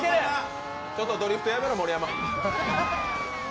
ちょっとドリフトやめろ、盛山。